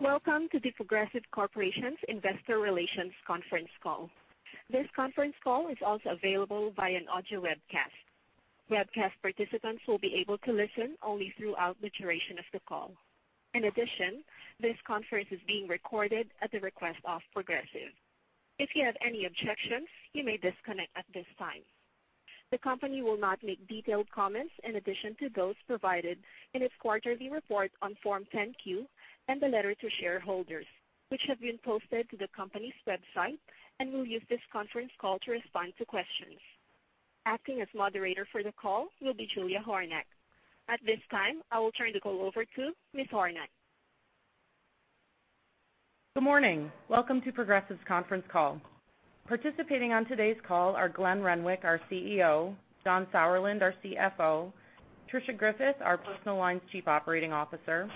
Welcome to The Progressive Corporation Investor Relations conference call. This conference call is also available by an audio webcast. Webcast participants will be able to listen only throughout the duration of the call. In addition, this conference is being recorded at the request of Progressive. If you have any objections, you may disconnect at this time. The company will not make detailed comments in addition to those provided in its quarterly report on Form 10-Q and the letter to shareholders, which have been posted to the company's website, and will use this conference call to respond to questions. Acting as moderator for the call will be Julia Hornack. At this time, I will turn the call over to Ms. Hornack. Good morning. Welcome to Progressive's conference call. Participating on today's call are Glenn Renwick, our CEO, John Sauerland, our CFO, Tricia Griffith, our Personal Lines Chief Operating Officer,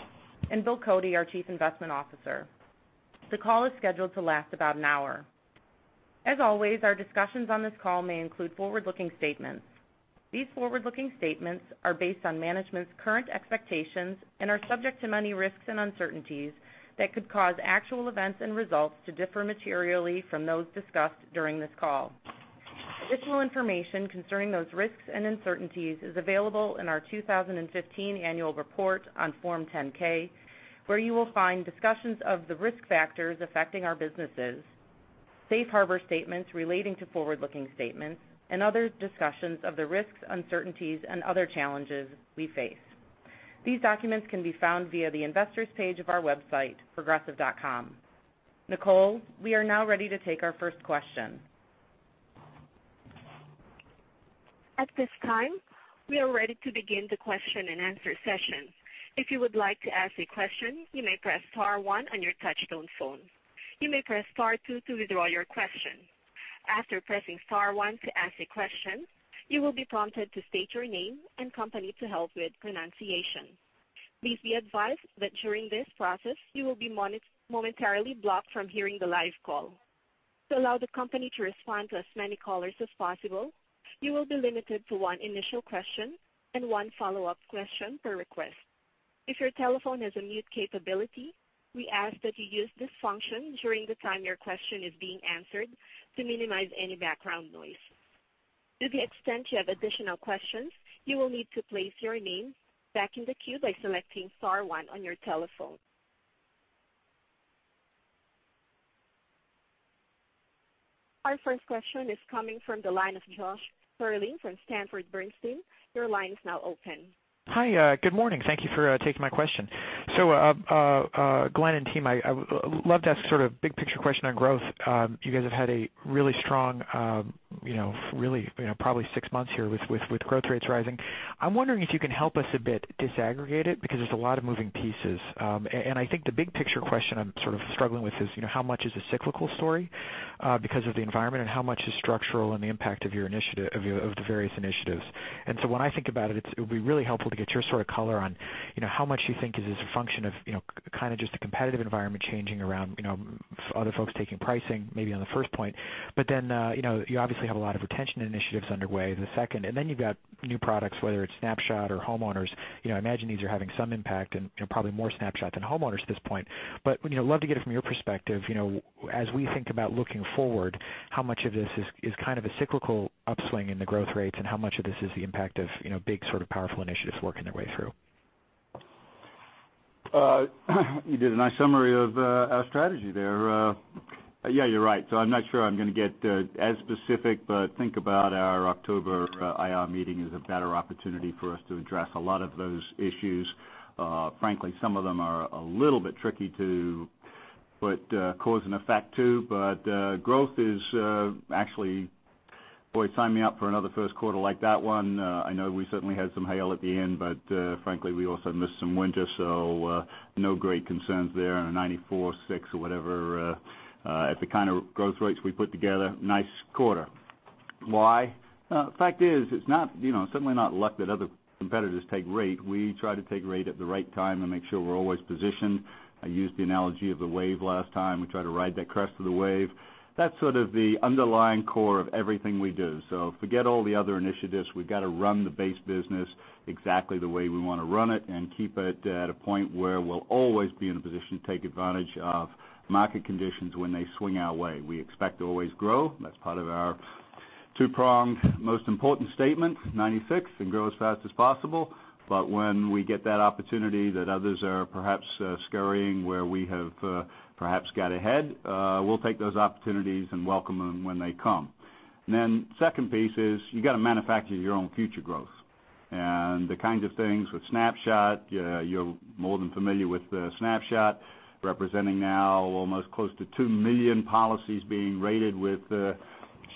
and Bill Cody, our Chief Investment Officer. The call is scheduled to last about an hour. As always, our discussions on this call may include forward-looking statements. These forward-looking statements are based on management's current expectations and are subject to many risks and uncertainties that could cause actual events and results to differ materially from those discussed during this call. Additional information concerning those risks and uncertainties is available in our 2015 annual report on Form 10-K, where you will find discussions of the risk factors affecting our businesses, safe harbor statements relating to forward-looking statements, and other discussions of the risks, uncertainties, and other challenges we face. These documents can be found via the investors page of our website, progressive.com. Nicole, we are now ready to take our first question. At this time, we are ready to begin the question and answer session. If you would like to ask a question, you may press star one on your touchtone phone. You may press star two to withdraw your question. After pressing star one to ask a question, you will be prompted to state your name and company to help with pronunciation. Please be advised that during this process, you will be momentarily blocked from hearing the live call. To allow the company to respond to as many callers as possible, you will be limited to one initial question and one follow-up question per request. If your telephone has a mute capability, we ask that you use this function during the time your question is being answered to minimize any background noise. To the extent you have additional questions, you will need to place your name back in the queue by selecting star one on your telephone. Our first question is coming from the line of Josh Stirling from Sanford Bernstein. Your line is now open. Hi, good morning. Thank you for taking my question. Glenn and team, I would love to ask sort of big picture question on growth. You guys have had a really strong probably six months here with growth rates rising. I'm wondering if you can help us a bit disaggregate it because there's a lot of moving pieces. I think the big picture question I'm sort of struggling with is how much is a cyclical story because of the environment, and how much is structural and the impact of the various initiatives. When I think about it'll be really helpful to get your sort of color on how much you think is this a function of kind of just the competitive environment changing around other folks taking pricing maybe on the first point, you obviously have a lot of retention initiatives underway the second, and then you've got new products, whether it's Snapshot or Homeowners. I imagine these are having some impact and probably more Snapshot than Homeowners at this point. Would love to get it from your perspective as we think about looking forward, how much of this is kind of a cyclical upswing in the growth rates, and how much of this is the impact of big sort of powerful initiatives working their way through? You did a nice summary of our strategy there. Yeah, you're right. I'm not sure I'm going to get as specific, but think about our October IR meeting as a better opportunity for us to address a lot of those issues. Frankly, some of them are a little bit tricky to put cause and effect to, but growth is actually, boy, sign me up for another first quarter like that one. I know we certainly had some hail at the end, but frankly, we also missed some winter, so no great concerns there on a 94, six or whatever at the kind of growth rates we put together. Nice quarter. Why? Fact is, it's certainly not luck that other competitors take rate. We try to take rate at the right time and make sure we're always positioned. I used the analogy of the wave last time. We try to ride that crest of the wave. That's sort of the underlying core of everything we do. Forget all the other initiatives. We've got to run the base business exactly the way we want to run it and keep it at a point where we'll always be in a position to take advantage of market conditions when they swing our way. We expect to always grow. That's part of our two-pronged most important statement, 96 and grow as fast as possible. When we get that opportunity that others are perhaps scurrying where we have perhaps got ahead, we'll take those opportunities and welcome them when they come. Second piece is you got to manufacture your own future growth. The kinds of things with Snapshot, you're more than familiar with the Snapshot representing now almost close to 2 million policies being rated with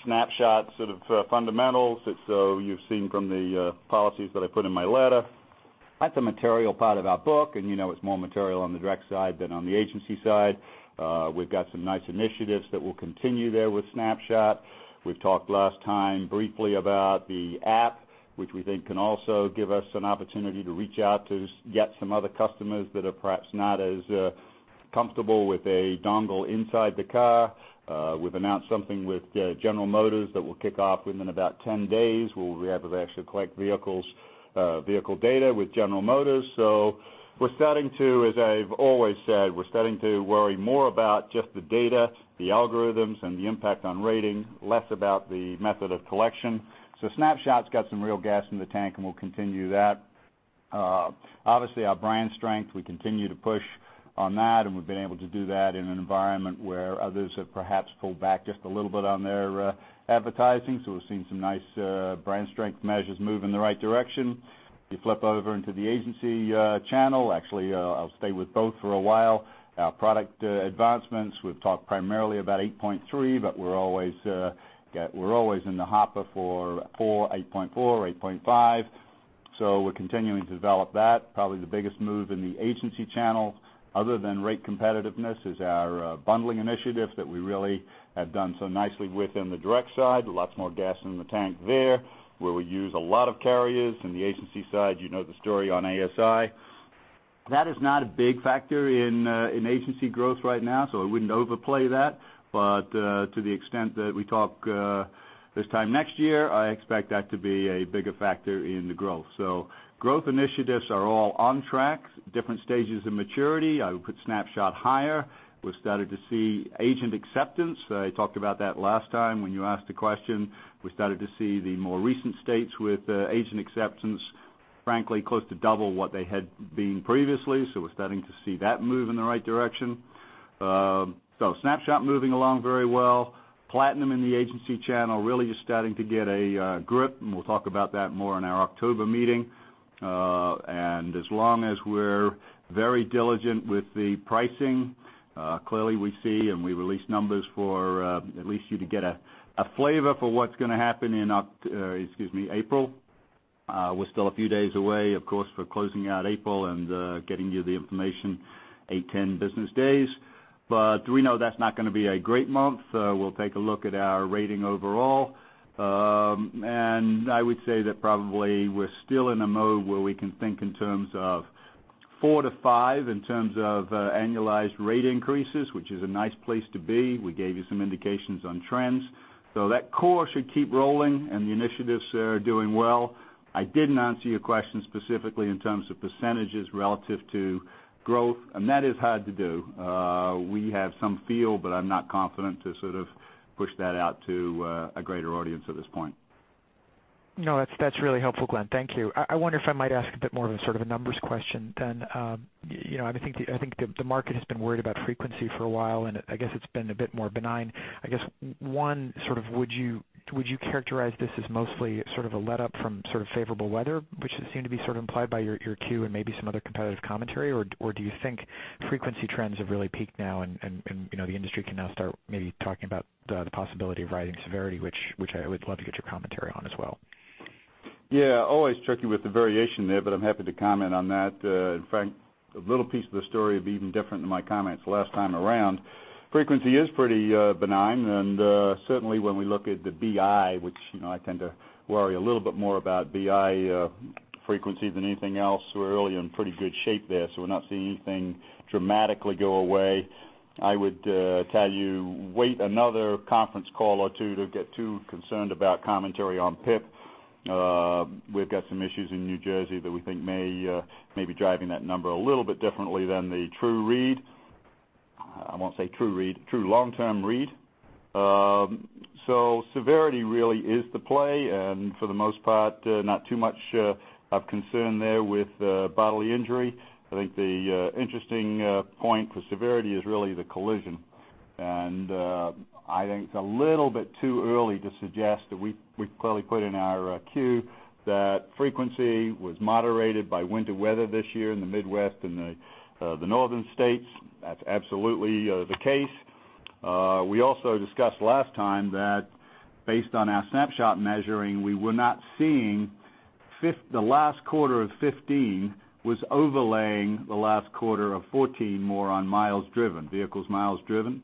Snapshot sort of fundamentals. You've seen from the policies that I put in my letter. That's a material part of our book, and you know it's more material on the direct side than on the agency side. We've got some nice initiatives that will continue there with Snapshot. We've talked last time briefly about the app, which we think can also give us an opportunity to reach out to get some other customers that are perhaps not as comfortable with a dongle inside the car. We've announced something with General Motors that will kick off within about 10 days, where we'll be able to actually collect vehicle data with General Motors. We're starting to, as I've always said, we're starting to worry more about just the data, the algorithms, and the impact on rating, less about the method of collection. Snapshot's got some real gas in the tank, and we'll continue that. Obviously, our brand strength, we continue to push on that, and we've been able to do that in an environment where others have perhaps pulled back just a little bit on their advertising. We're seeing some nice brand strength measures move in the right direction. If you flip over into the agency channel, actually, I'll stay with both for a while. Our product advancements, we've talked primarily about 8.3, but we're always in the hopper for 8.4 or 8.5. We're continuing to develop that. Probably the biggest move in the agency channel, other than rate competitiveness, is our bundling initiatives that we really have done so nicely with in the direct side. Lots more gas in the tank there, where we use a lot of carriers in the agency side. You know the story on ASI. That is not a big factor in agency growth right now, so I wouldn't overplay that. To the extent that we talk this time next year, I expect that to be a bigger factor in the growth. Growth initiatives are all on track, different stages of maturity. I would put Snapshot higher. We've started to see agent acceptance. I talked about that last time when you asked the question. We started to see the more recent states with agent acceptance, frankly, close to double what they had been previously. We're starting to see that move in the right direction. Snapshot moving along very well. Platinum in the agency channel really is starting to get a grip, we'll talk about that more in our October meeting. As long as we're very diligent with the pricing, clearly we see and we release numbers for at least you to get a flavor for what's going to happen in April. We're still a few days away, of course, for closing out April and getting you the information 8, 10 business days. We know that's not going to be a great month. We'll take a look at our rating overall. I would say that probably we're still in a mode where we can think in terms of four to five in terms of annualized rate increases, which is a nice place to be. We gave you some indications on trends. That core should keep rolling, the initiatives are doing well. I didn't answer your question specifically in terms of percentages relative to growth, that is hard to do. We have some feel, but I'm not confident to sort of push that out to a greater audience at this point. No, that's really helpful, Glenn. Thank you. I wonder if I might ask a bit more of a sort of a numbers question. I think the market has been worried about frequency for a while, I guess it's been a bit more benign. I guess, one, would you characterize this as mostly sort of a letup from sort of favorable weather, which seemed to be sort of implied by your 10-Q and maybe some other competitive commentary? Do you think frequency trends have really peaked now and the industry can now start maybe talking about the possibility of writing severity, which I would love to get your commentary on as well. Yeah. Always tricky with the variation there, I'm happy to comment on that. In fact, a little piece of the story will be even different than my comments last time around. Frequency is pretty benign, certainly when we look at the BI, which I tend to worry a little bit more about BI frequency than anything else, we're really in pretty good shape there. We're not seeing anything dramatically go away. I would tell you, wait another conference call or two to get too concerned about commentary on PIP. We've got some issues in New Jersey that we think may be driving that number a little bit differently than the true read. I won't say true read, true long term read. Severity really is the play, for the most part, not too much of concern there with bodily injury. I think the interesting point for severity is really the collision. I think it's a little bit too early to suggest that we clearly put in our 10-Q that frequency was moderated by winter weather this year in the Midwest and the northern states. That's absolutely the case. We also discussed last time that based on our Snapshot measuring, we were not seeing the last quarter of 2015 was overlaying the last quarter of 2014 more on miles driven, vehicles miles driven.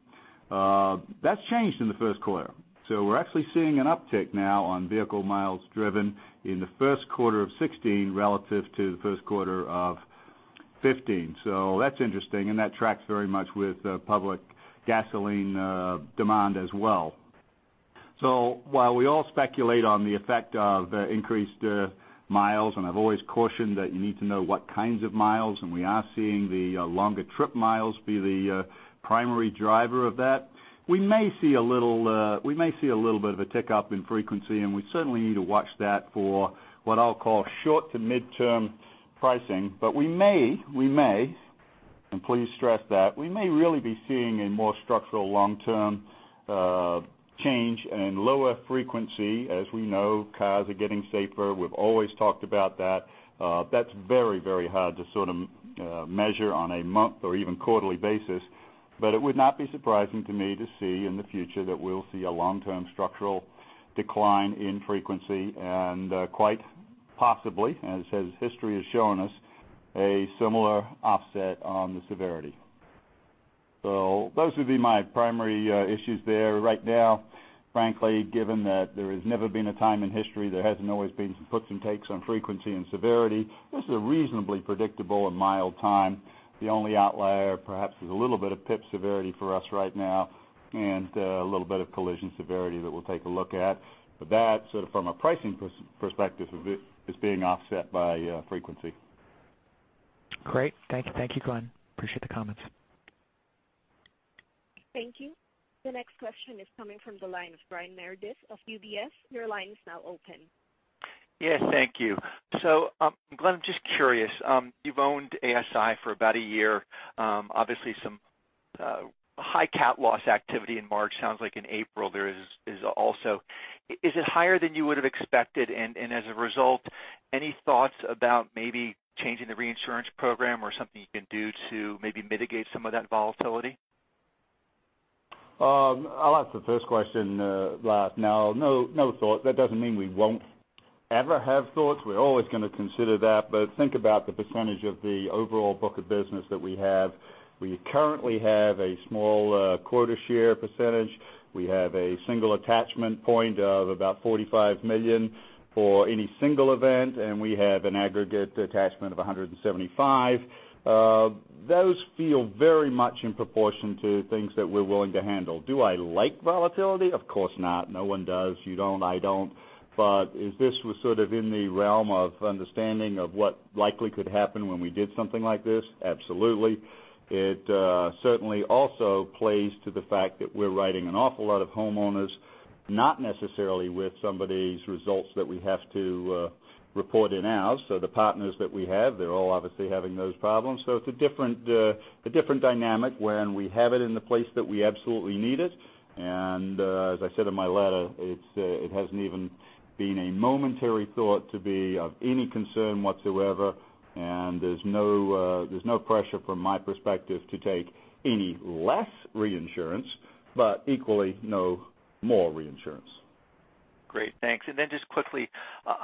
That's changed in the first quarter. We're actually seeing an uptick now on vehicle miles driven in the first quarter of 2016 relative to the first quarter of 2015. That's interesting, and that tracks very much with public gasoline demand as well. While we all speculate on the effect of increased miles, and I've always cautioned that you need to know what kinds of miles, and we are seeing the longer trip miles be the primary driver of that. We may see a little bit of a tick up in frequency, and we certainly need to watch that for what I'll call short to midterm pricing. We may, and please stress that, we may really be seeing a more structural long term change and lower frequency. As we know, cars are getting safer. We've always talked about that. That's very, very hard to sort of measure on a month or even quarterly basis. It would not be surprising to me to see in the future that we'll see a long term structural decline in frequency and quite possibly, as history has shown us, a similar offset on the severity. Those would be my primary issues there right now, frankly, given that there has never been a time in history there hasn't always been some puts and takes on frequency and severity. This is a reasonably predictable and mild time. The only outlier perhaps is a little bit of PIP severity for us right now, and a little bit of collision severity that we'll take a look at. That, from a pricing perspective, is being offset by frequency. Great. Thank you, Glenn. Appreciate the comments. Thank you. The next question is coming from the line of Brian Meredith of UBS. Your line is now open. Yes, thank you. Glenn, I'm just curious. You've owned ASI for about a year. Obviously some high cat loss activity in March. Sounds like in April there is also. Is it higher than you would've expected? As a result, any thoughts about maybe changing the reinsurance program or something you can do to maybe mitigate some of that volatility? I'll answer the first question, Brian. No, no thought. That doesn't mean we won't ever have thoughts. We're always going to consider that, but think about the percentage of the overall book of business that we have. We currently have a small quota share percentage. We have a single attachment point of about $45 million for any single event, and we have an aggregate attachment of $175. Those feel very much in proportion to things that we're willing to handle. Do I like volatility? Of course not. No one does. You don't. I don't. Is this sort of in the realm of understanding of what likely could happen when we did something like this? Absolutely. It certainly also plays to the fact that we're writing an awful lot of homeowners, not necessarily with somebody's results that we have to report in now. The partners that we have, they're all obviously having those problems. It's a different dynamic when we have it in the place that we absolutely need it, as I said in my letter, it hasn't even been a momentary thought to be of any concern whatsoever, there's no pressure from my perspective to take any less reinsurance, equally no more reinsurance. Great, thanks. Just quickly,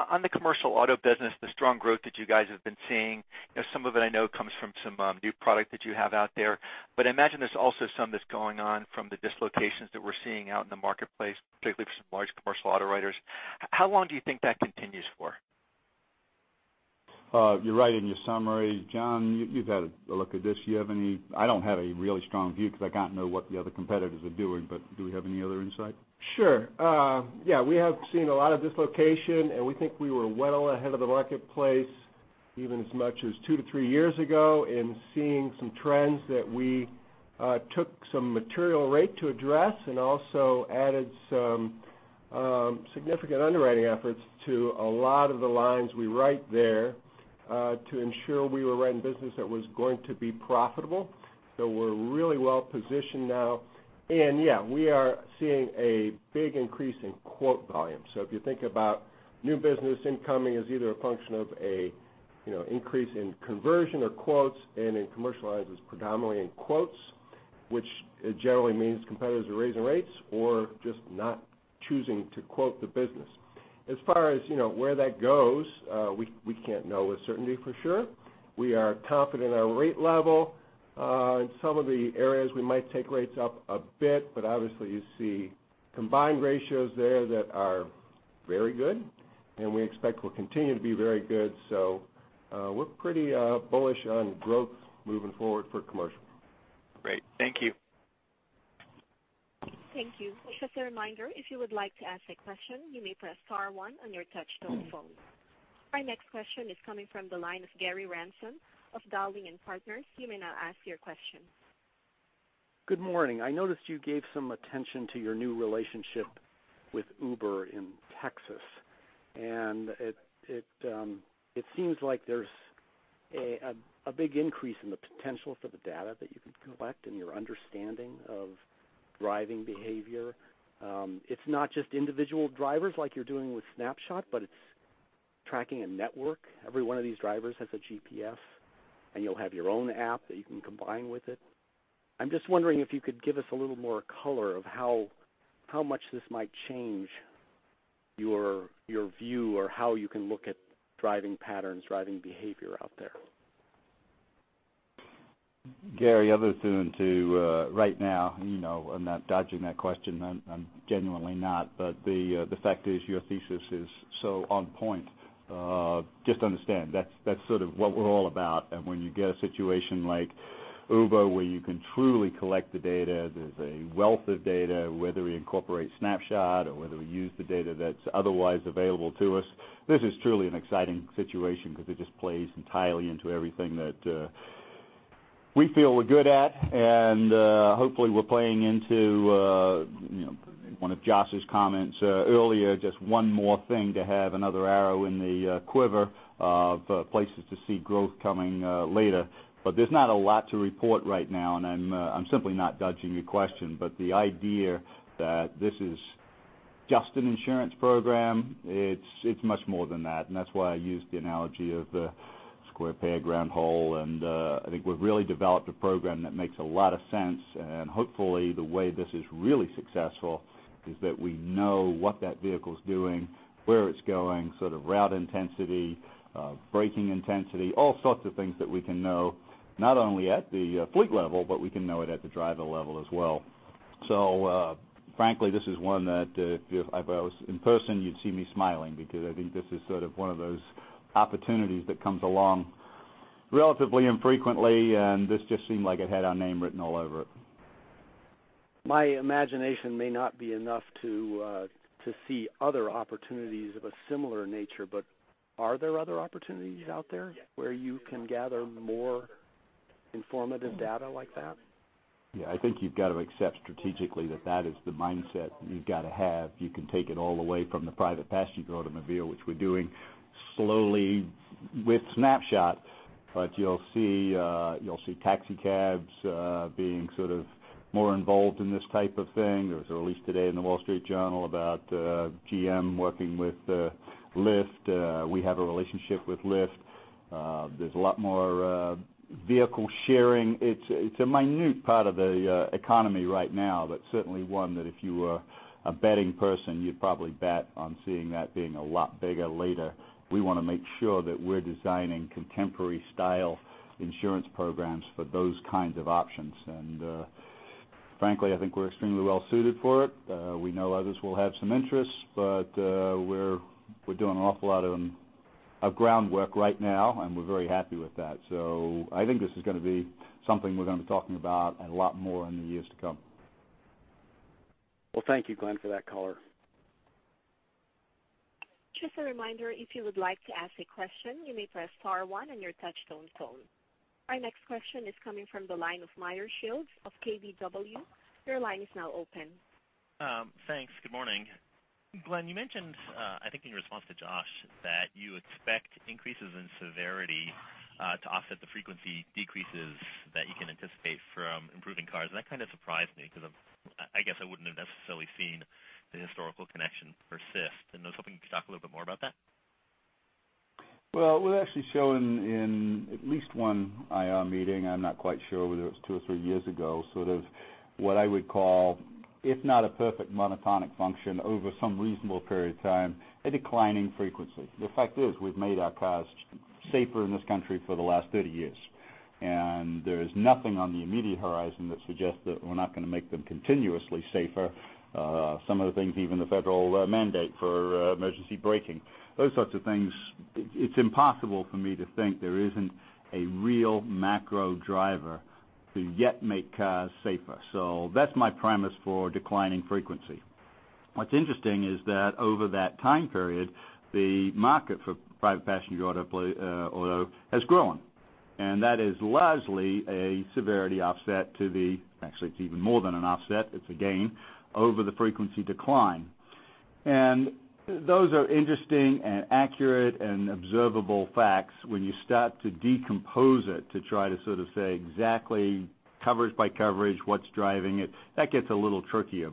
on the commercial auto business, the strong growth that you guys have been seeing, some of it I know comes from some new product that you have out there, but I imagine there's also some that's going on from the dislocations that we're seeing out in the marketplace, particularly for some large commercial auto writers. How long do you think that continues for? You're right in your summary. John, you've had a look at this. I don't have a really strong view because I can't know what the other competitors are doing, do we have any other insight? Sure. Yeah, we have seen a lot of dislocation, we think we were well ahead of the marketplace, even as much as two to three years ago in seeing some trends that we took some material rate to address and also added some significant underwriting efforts to a lot of the lines we write there to ensure we were writing business that was going to be profitable. We're really well positioned now. Yeah, we are seeing a big increase in quote volume. If you think about new business incoming as either a function of an increase in conversion or quotes and in commercial lines predominantly in quotes, which generally means competitors are raising rates or just not choosing to quote the business. As far as where that goes, we can't know with certainty for sure. We are confident in our rate level. In some of the areas, we might take rates up a bit, obviously you see combined ratios there that are very good and we expect will continue to be very good. We're pretty bullish on growth moving forward for commercial. Great. Thank you. Thank you. Just a reminder, if you would like to ask a question, you may press star one on your touchtone phone. Our next question is coming from the line of Gary Ransom of Dowling & Partners. You may now ask your question. Good morning. I noticed you gave some attention to your new relationship with Uber in Texas. It seems like there's a big increase in the potential for the data that you can collect and your understanding of driving behavior. It's not just individual drivers like you're doing with Snapshot, but it's tracking a network. Every one of these drivers has a GPS. You'll have your own app that you can combine with it. I'm just wondering if you could give us a little more color of how much this might change your view or how you can look at driving patterns, driving behavior out there. Gary, other than to right now, I'm not dodging that question. I'm genuinely not. The fact is your thesis is so on point. Just understand, that's sort of what we're all about. When you get a situation like Uber where you can truly collect the data, there's a wealth of data, whether we incorporate Snapshot or whether we use the data that's otherwise available to us, this is truly an exciting situation because it just plays entirely into everything that we feel we're good at. Hopefully we're playing into one of Josh's comments earlier, just one more thing to have another arrow in the quiver of places to see growth coming later. There's not a lot to report right now, and I'm simply not dodging your question. The idea that this is just an insurance program, it's much more than that. That's why I used the analogy of the square peg, round hole, and I think we've really developed a program that makes a lot of sense. Hopefully the way this is really successful is that we know what that vehicle's doing, where it's going, sort of route intensity, braking intensity, all sorts of things that we can know not only at the fleet level, but we can know it at the driver level as well. Frankly, this is one that if I was in person, you'd see me smiling because I think this is sort of one of those opportunities that comes along relatively infrequently, and this just seemed like it had our name written all over it. My imagination may not be enough to see other opportunities of a similar nature. Are there other opportunities out there where you can gather more informative data like that? Yeah. I think you've got to accept strategically that is the mindset you've got to have. You can take it all away from the private passenger automobile, which we're doing slowly with Snapshot, but you'll see taxi cabs being sort of more involved in this type of thing. There was a release today in The Wall Street Journal about GM working with Lyft. We have a relationship with Lyft. There's a lot more vehicle sharing. It's a minute part of the economy right now, but certainly one that if you were a betting person, you'd probably bet on seeing that being a lot bigger later. We want to make sure that we're designing contemporary style insurance programs for those kinds of options. Frankly, I think we're extremely well suited for it. We know others will have some interest, but we're doing an awful lot of groundwork right now. We're very happy with that. I think this is going to be something we're going to be talking about a lot more in the years to come. Well, thank you, Glenn, for that color. Just a reminder, if you would like to ask a question, you may press star one on your touchtone phone. Our next question is coming from the line of Meyer Shields of KBW. Your line is now open. Thanks. Good morning. Glenn, you mentioned, I think in response to Josh, that you expect increases in severity to offset the frequency decreases that you can anticipate from improving cars. That kind of surprised me because I guess I wouldn't have necessarily seen the historical connection persist. I was hoping you could talk a little bit more about that. Well, we've actually shown in at least one IR meeting, I'm not quite sure whether it was two or three years ago, sort of what I would call, if not a perfect monotonic function over some reasonable period of time, a declining frequency. The fact is we've made our cars safer in this country for the last 30 years, there's nothing on the immediate horizon that suggests that we're not going to make them continuously safer. Some of the things, even the federal mandate for emergency braking, those sorts of things, it's impossible for me to think there isn't a real macro driver to yet make cars safer. That's my premise for declining frequency. What's interesting is that over that time period, the market for private passenger auto has grown, that is largely a severity offset to the-- actually, it's even more than an offset, it's a gain, over the frequency decline. Those are interesting and accurate and observable facts. When you start to decompose it to try to sort of say exactly coverage by coverage, what's driving it, that gets a little trickier.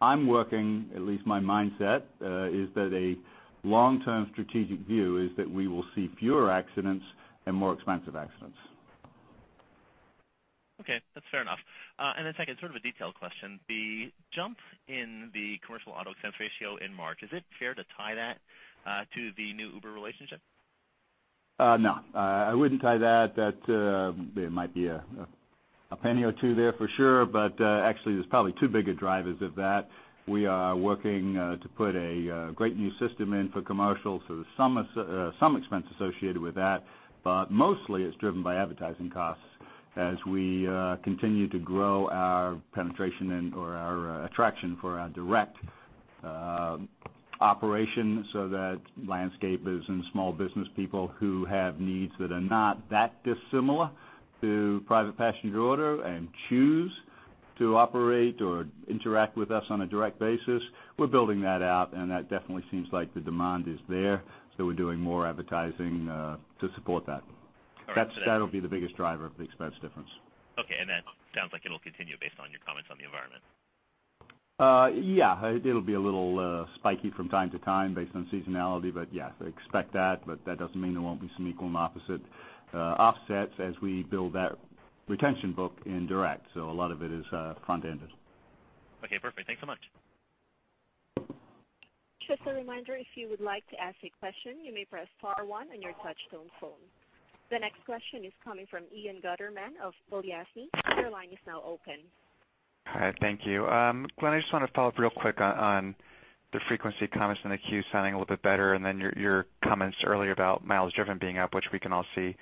I'm working, at least my mindset, is that a long-term strategic view is that we will see fewer accidents and more expensive accidents. Okay, that's fair enough. Then second, sort of a detailed question. The jump in the commercial auto expense ratio in March, is it fair to tie that to the new Uber relationship? No, I wouldn't tie that. There might be a penny or two there for sure, but actually there's probably two bigger drivers of that. We are working to put a great new system in for commercial, so there's some expense associated with that, but mostly it's driven by advertising costs as we continue to grow our penetration or our attraction for our direct operation. That landscape is in small business people who have needs that are not that dissimilar to private passenger auto and choose to operate or interact with us on a direct basis. We're building that out and that definitely seems like the demand is there, so we're doing more advertising to support that. All right. That'll be the biggest driver of the expense difference. Okay, that sounds like it'll continue based on your comments on the environment. Yeah. It'll be a little spiky from time to time based on seasonality, but yeah, expect that, but that doesn't mean there won't be some equal and opposite offsets as we build that retention book in direct. A lot of it is front ended. Okay, perfect. Thanks so much. Just a reminder, if you would like to ask a question, you may press star one on your touchtone phone. The next question is coming from Ian Gutterman of Balyasny. Your line is now open. Hi. Thank you. Glenn, I just want to follow up real quick on the frequency comments in the 10-Q sounding a little bit better. Then your comments earlier about miles driven being up, which we can all see.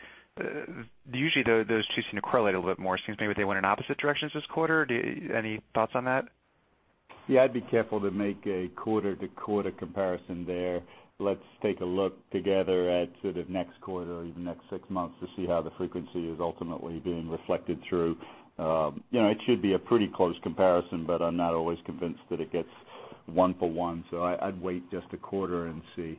Usually those two seem to correlate a little bit more. It seems maybe they went in opposite directions this quarter. Any thoughts on that? Yeah, I'd be careful to make a quarter to quarter comparison there. Let's take a look together at sort of next quarter or even next 6 months to see how the frequency is ultimately being reflected through. It should be a pretty close comparison, but I'm not always convinced that it gets 1 for 1. I'd wait just a quarter and see.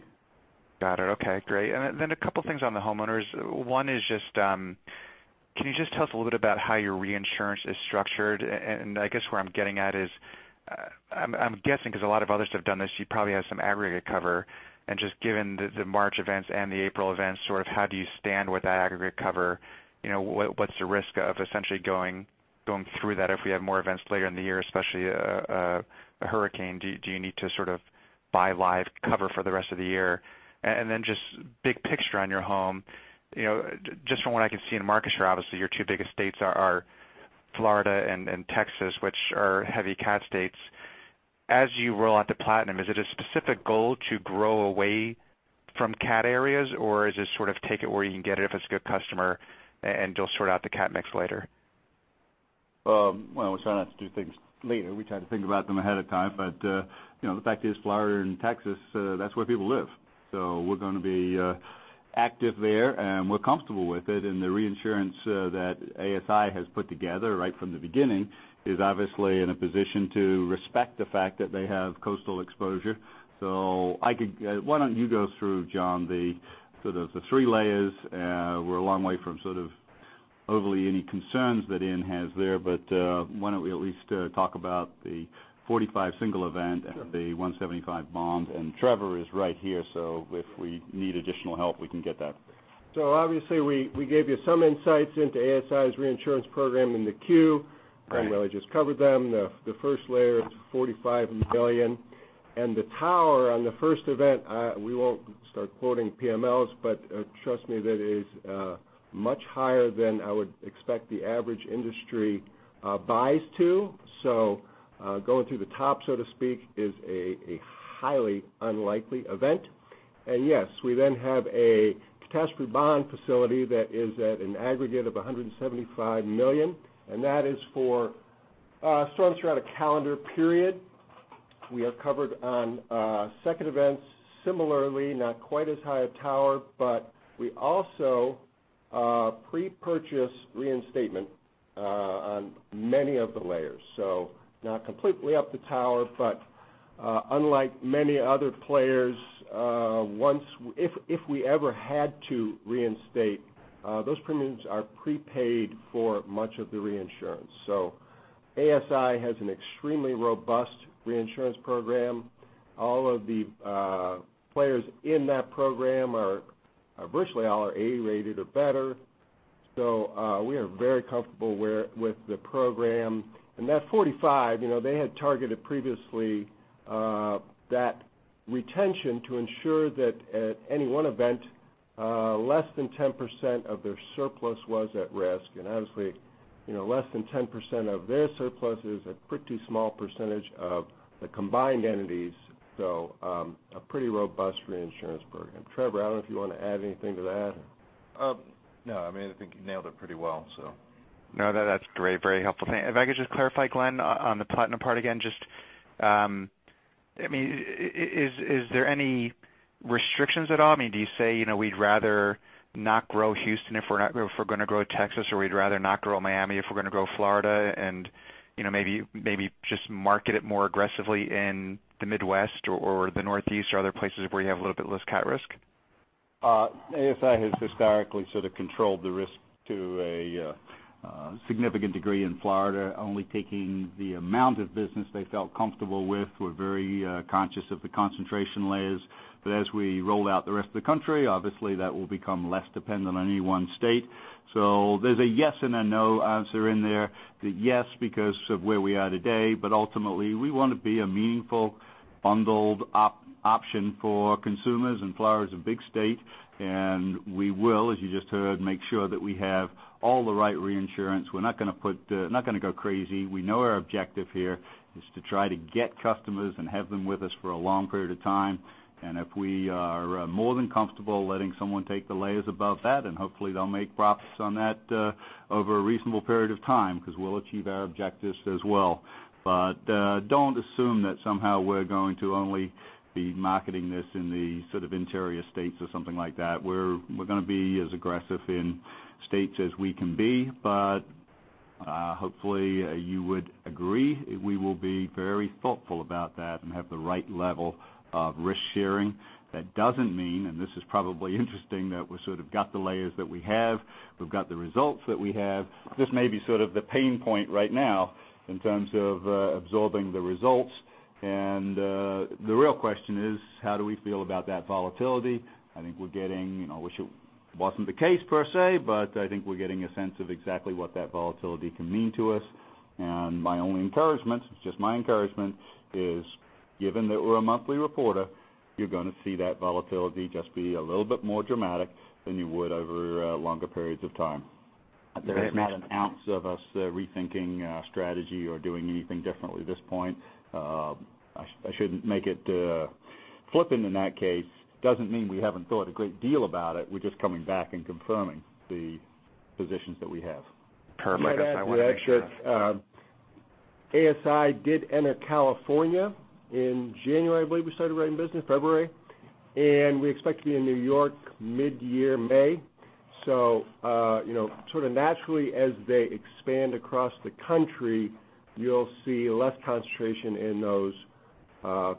Got it. Okay, great. Then a couple things on the homeowners. One is just can you just tell us a little bit about how your reinsurance is structured? I guess where I'm getting at is I'm guessing because a lot of others have done this, you probably have some aggregate cover. Just given the March events and the April events, sort of how do you stand with that aggregate cover? What's the risk of essentially going through that if we have more events later in the year, especially a hurricane? Do you need to sort of buy live cover for the rest of the year? Then just big picture on your home, just from what I can see in market share, obviously your 2 biggest states are Florida and Texas, which are heavy cat states. As you roll out the Platinum, is it a specific goal to grow away from cat areas, or is it sort of take it where you can get it if it's a good customer, and you'll sort out the cat mix later? We try not to do things later. We try to think about them ahead of time. The fact is, Florida and Texas, that's where people live. We're going to be active there, and we're comfortable with it. The reinsurance that ASI has put together right from the beginning is obviously in a position to respect the fact that they have coastal exposure. Why don't you go through, John, the sort of the three layers. We're a long way from sort of overly any concerns that Ian has there, but why don't we at least talk about the $45 single event and the $175 bond, and Trevor is right here, so if we need additional help, we can get that. Obviously we gave you some insights into ASI's reinsurance program in the 10-Q. Right. Glenn really just covered them. The first layer is $45 million. The tower on the first event, we won't start quoting PMLs, but trust me, that is much higher than I would expect the average industry buys to. Going through the top, so to speak, is a highly unlikely event. Yes, we then have a catastrophe bond facility that is at an aggregate of $175 million, and that is for storms throughout a calendar period. We are covered on second events similarly, not quite as high a tower, but we also pre-purchase reinstatement on many of the layers. Not completely up the tower, but unlike many other players, if we ever had to reinstate, those premiums are prepaid for much of the reinsurance. ASI has an extremely robust reinsurance program. All of the players in that program are virtually all are A-rated or better. We are very comfortable with the program. That 45, they had targeted previously that retention to ensure that at any one event, less than 10% of their surplus was at risk. Honestly, less than 10% of their surplus is a pretty small percentage of the combined entities. A pretty robust reinsurance program. Trevor, I don't know if you want to add anything to that. No, I think you nailed it pretty well. No, that's great. Very helpful. If I could just clarify, Glenn, on the Platinum part again. Is there any restrictions at all? Do you say we'd rather not grow Houston if we're going to grow Texas, or we'd rather not grow Miami if we're going to grow Florida and maybe just market it more aggressively in the Midwest or the Northeast or other places where you have a little bit less cat risk? ASI has historically sort of controlled the risk to a significant degree in Florida, only taking the amount of business they felt comfortable with. We're very conscious of the concentration layers. As we roll out the rest of the country, obviously that will become less dependent on any one state. There's a yes and a no answer in there. The yes, because of where we are today, but ultimately we want to be a meaningful bundled option for consumers, Florida's a big state. We will, as you just heard, make sure that we have all the right reinsurance. We're not going to go crazy. We know our objective here is to try to get customers and have them with us for a long period of time. If we are more than comfortable letting someone take the layers above that, hopefully they'll make profits on that over a reasonable period of time because we'll achieve our objectives as well. Don't assume that somehow we're going to only be marketing this in the sort of interior states or something like that. We're going to be as aggressive in states as we can be. Hopefully you would agree we will be very thoughtful about that and have the right level of risk sharing. That doesn't mean, and this is probably interesting, that we sort of got the layers that we have, we've got the results that we have. This may be sort of the pain point right now in terms of absorbing the results. The real question is: how do we feel about that volatility? I wish it wasn't the case per se, but I think we're getting a sense of exactly what that volatility can mean to us. My only encouragement, it's just my encouragement, is given that we're a monthly reporter, you're going to see that volatility just be a little bit more dramatic than you would over longer periods of time. Very much- There isn't an ounce of us rethinking strategy or doing anything differently at this point. I shouldn't make it flippant in that case. Doesn't mean we haven't thought a great deal about it. We're just coming back and confirming the positions that we have. Perfect. ASI did enter California in January, I believe we started writing business, February. We expect to be in New York mid-year, May. Sort of naturally as they expand across the country, you'll see less concentration in those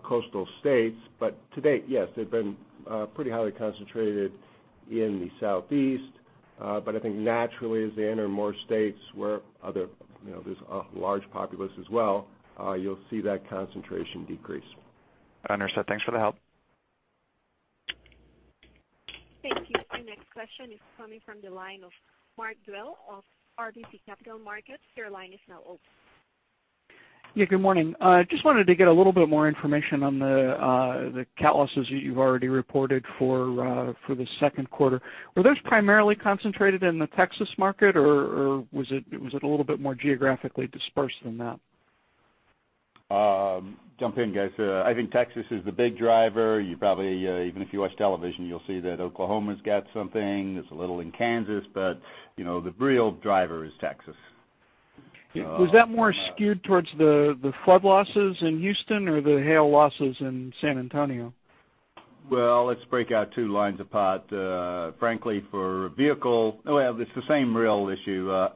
coastal states. To date, yes, they've been pretty highly concentrated in the Southeast. I think naturally as they enter more states where there's a large populace as well, you'll see that concentration decrease. Understood. Thanks for the help. Thank you. The next question is coming from the line of Mark Dwelle of RBC Capital Markets. Your line is now open. Yeah, good morning. Just wanted to get a little bit more information on the cat losses that you've already reported for the second quarter. Were those primarily concentrated in the Texas market, or was it a little bit more geographically dispersed than that? Jump in, guys. I think Texas is the big driver. You probably, even if you watch television, you'll see that Oklahoma's got something. There's a little in Kansas. The real driver is Texas. Was that more skewed towards the flood losses in Houston or the hail losses in San Antonio? Well, let's break our two lines apart. Frankly, well, it's the same real issue.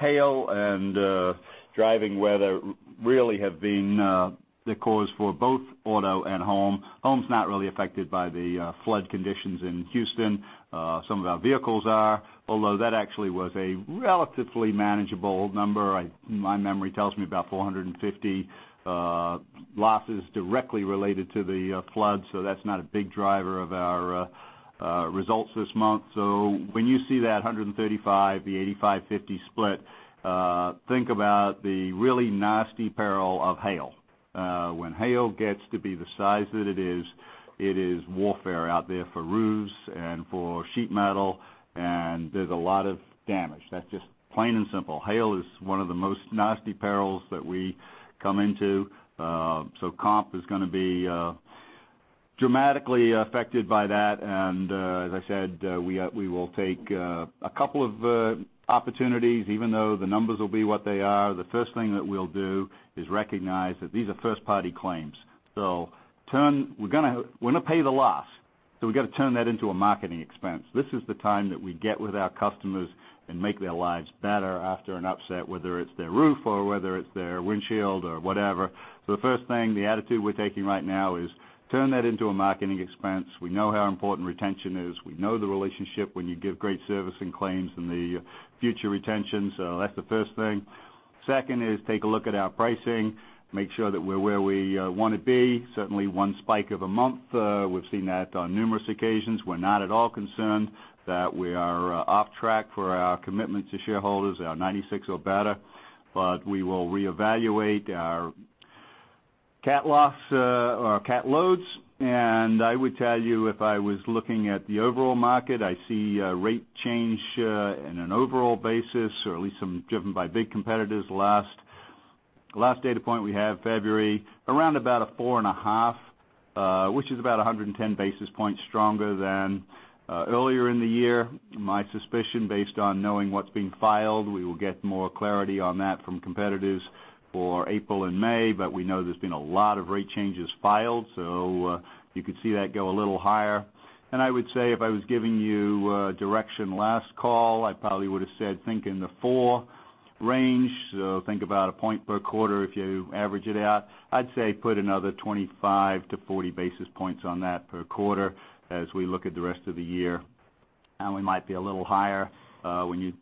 Hail and driving weather really have been the cause for both auto and home. Home's not really affected by the flood conditions in Houston. Some of our vehicles are, although that actually was a relatively manageable number. My memory tells me about 450 losses directly related to the flood, that's not a big driver of our results this month. When you see that 135, the 85/50 split, think about the really nasty peril of hail. When hail gets to be the size that it is, it is warfare out there for roofs and for sheet metal, and there's a lot of damage. That's just plain and simple. Hail is one of the most nasty perils that we come into. Comp is going to be dramatically affected by that. As I said, we will take a couple of opportunities, even though the numbers will be what they are. The first thing that we'll do is recognize that these are first-party claims. We're going to pay the loss, we've got to turn that into a marketing expense. This is the time that we get with our customers and make their lives better after an upset, whether it's their roof or whether it's their windshield or whatever. The first thing, the attitude we're taking right now is turn that into a marketing expense. We know how important retention is. We know the relationship when you give great service and claims and the future retention. That's the first thing. Second is take a look at our pricing, make sure that we're where we want to be. Certainly, one spike of a month, we've seen that on numerous occasions. We're not at all concerned that we are off track for our commitment to shareholders, our 96 or better. We will reevaluate our cat loads, and I would tell you if I was looking at the overall market, I see a rate change in an overall basis or at least driven by big competitors. Last data point we have, February, around about a 4.5, which is about 110 basis points stronger than earlier in the year. My suspicion, based on knowing what's being filed, we will get more clarity on that from competitors for April and May, we know there's been a lot of rate changes filed, you could see that go a little higher. I would say if I was giving you direction last call, I probably would've said think in the 4 range. Think about a point per quarter if you average it out. I'd say put another 25 to 40 basis points on that per quarter as we look at the rest of the year, and we might be a little higher when you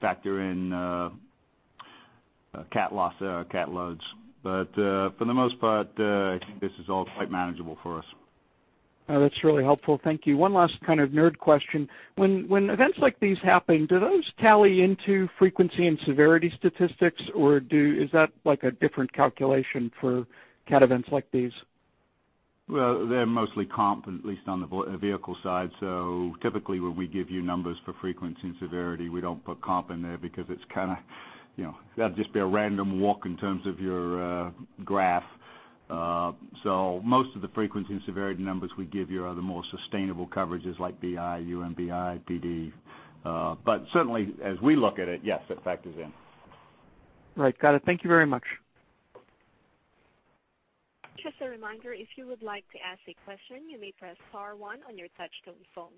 factor in cat loads. For the most part, I think this is all quite manageable for us. That's really helpful. Thank you. One last kind of nerd question. When events like these happen, do those tally into frequency and severity statistics, or is that a different calculation for cat events like these? They're mostly comp, at least on the vehicle side. Typically, when we give you numbers for frequency and severity, we don't put comp in there because that'd just be a random walk in terms of your graph. Most of the frequency and severity numbers we give you are the more sustainable coverages like BI, UMBI, PD. Certainly, as we look at it, yes, it factors in. Right. Got it. Thank you very much. Just a reminder, if you would like to ask a question, you may press star one on your touchtone phone.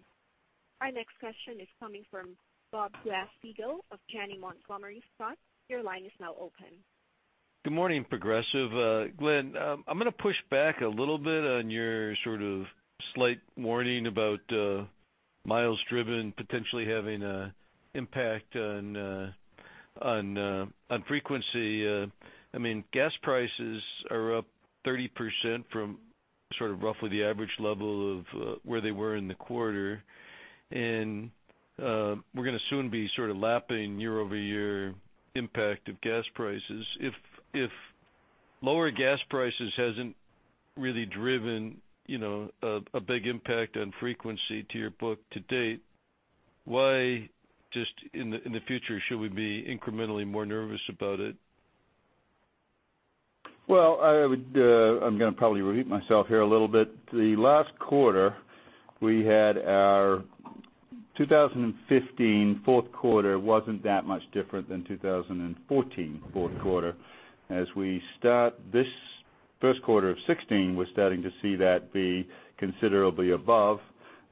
Our next question is coming from Robert Glasspiegel of Janney Montgomery Scott. Your line is now open. Good morning, Progressive. Glenn, I'm going to push back a little bit on your sort of slight warning about miles driven potentially having an impact on frequency. Gas prices are up 30% from sort of roughly the average level of where they were in the quarter, and we're going to soon be sort of lapping year-over-year impact of gas prices. If lower gas prices hasn't really driven a big impact on frequency to your book to date, why just in the future should we be incrementally more nervous about it? Well, I'm going to probably repeat myself here a little bit. The last quarter we had our 2015 fourth quarter wasn't that much different than 2014 fourth quarter. As we start this first quarter of 2016, we're starting to see that be considerably above.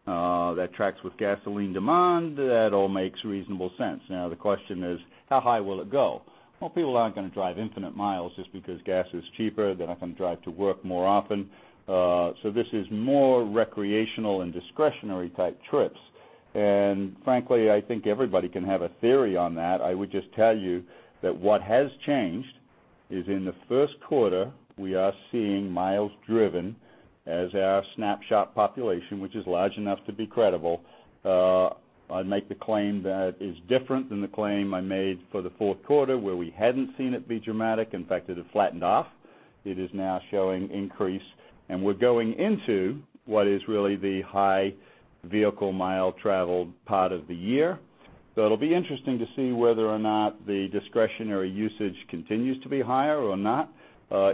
That tracks with gasoline demand. That all makes reasonable sense. The question is, how high will it go? Well, people aren't going to drive infinite miles just because gas is cheaper, they're not going to drive to work more often. This is more recreational and discretionary type trips. Frankly, I think everybody can have a theory on that. I would just tell you that what has changed is in the first quarter, we are seeing miles driven as our Snapshot population, which is large enough to be credible. I'd make the claim that it is different than the claim I made for the fourth quarter where we hadn't seen it be dramatic. In fact, it had flattened off. It is now showing increase, and we're going into what is really the high vehicle mile traveled part of the year. It'll be interesting to see whether or not the discretionary usage continues to be higher or not.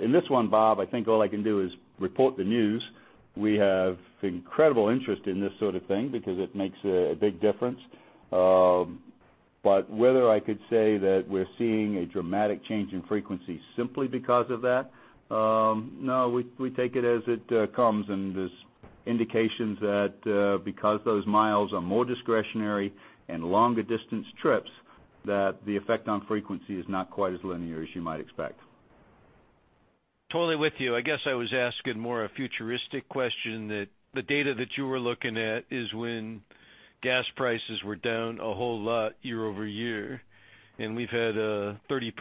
In this one, Bob, I think all I can do is report the news. We have incredible interest in this sort of thing because it makes a big difference. Whether I could say that we're seeing a dramatic change in frequency simply because of that, no. We take it as it comes, and there's indications that because those miles are more discretionary and longer distance trips, that the effect on frequency is not quite as linear as you might expect. Totally with you. I guess I was asking more a futuristic question that the data that you were looking at is when gas prices were down a whole lot year-over-year, and we've had a 30%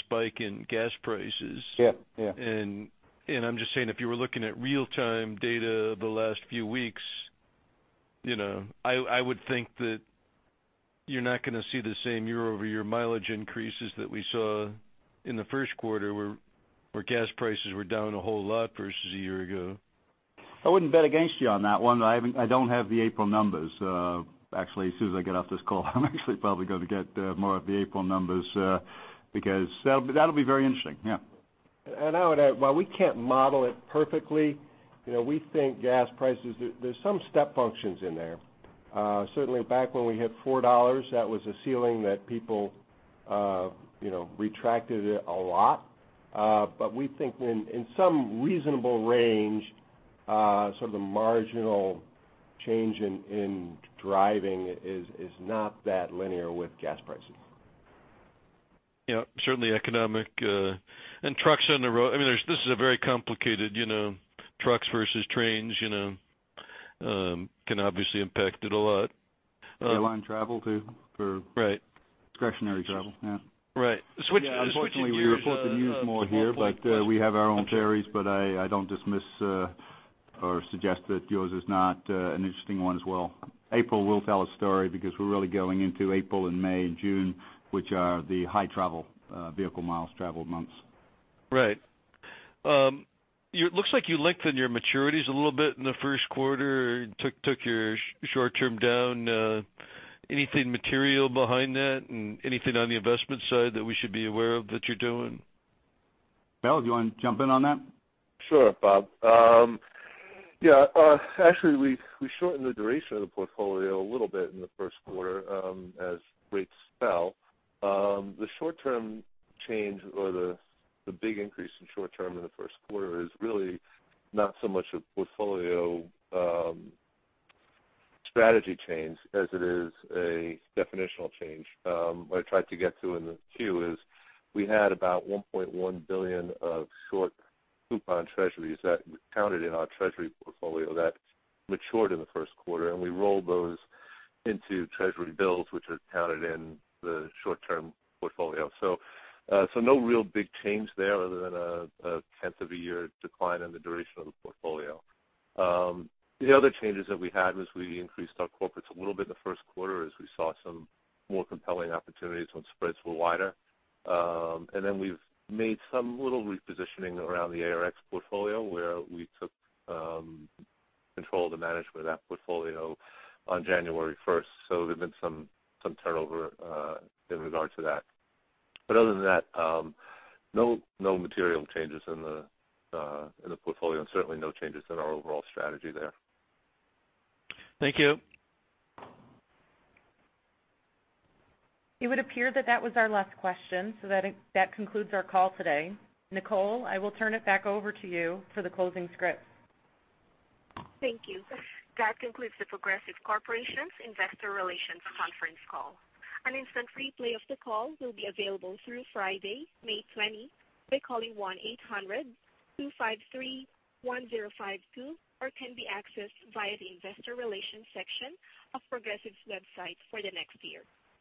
spike in gas prices. Yes. I'm just saying, if you were looking at real time data the last few weeks, I would think that you're not going to see the same year-over-year mileage increases that we saw in the first quarter, where gas prices were down a whole lot versus a year ago. I wouldn't bet against you on that one. I don't have the April numbers. Actually, as soon as I get off this call I'm actually probably going to get more of the April numbers, because that'll be very interesting. Yeah. I would add, while we can't model it perfectly, we think gas prices, there's some step functions in there. Certainly back when we hit $4, that was a ceiling that people retracted it a lot. We think in some reasonable range, some of the marginal change in driving is not that linear with gas prices. Yeah. Certainly economic and trucks on the road. This is a very complicated, trucks versus trains, can obviously impact it a lot. Airline travel, too. Right. Discretionary travel. Yeah. Right. Switching gears. Unfortunately, we report the news more here, but we have our own theories, but I don't dismiss or suggest that yours is not an interesting one as well. April will tell a story because we're really going into April and May and June, which are the high travel vehicle miles traveled months. Right. It looks like you lengthened your maturities a little bit in the first quarter, took your short-term down. Anything material behind that, and anything on the investment side that we should be aware of that you're doing? Bill, do you want to jump in on that? Sure, Bob. Yeah. Actually, we shortened the duration of the portfolio a little bit in the first quarter as rates fell. The short-term change or the big increase in short term in the first quarter is really not so much a portfolio strategy change as it is a definitional change. What I tried to get to in the Q is we had about $1.1 billion of short coupon treasuries that counted in our treasury portfolio that matured in the first quarter, and we rolled those into treasury bills, which are counted in the short-term portfolio. No real big change there other than a tenth of a year decline in the duration of the portfolio. The other changes that we had was we increased our corporates a little bit in the first quarter as we saw some more compelling opportunities when spreads were wider. We've made some little repositioning around the ARX portfolio where we took control of the management of that portfolio on January 1st. There've been some turnover in regard to that. Other than that, no material changes in the portfolio, and certainly no changes in our overall strategy there. Thank you. It would appear that that was our last question, so that concludes our call today. Nicole, I will turn it back over to you for the closing script. Thank you. That concludes The Progressive Corporation's Investor Relations conference call. An instant replay of the call will be available through Friday, May 20, by calling 1-800-253-1052 or can be accessed via the investor relations section of Progressive's website for the next year.